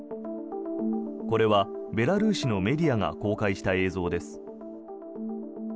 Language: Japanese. これはベラルーシのメディアが公開した映像です。